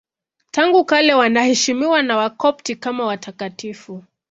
Tangu kale wanaheshimiwa na Wakopti kama watakatifu.